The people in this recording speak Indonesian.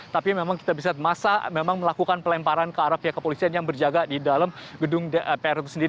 tapi memang kita bisa lihat masa memang melakukan pelemparan ke arah pihak kepolisian yang berjaga di dalam gedung dpr itu sendiri